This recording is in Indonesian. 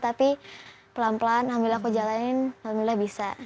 tapi pelan pelan alhamdulillah aku jalanin alhamdulillah bisa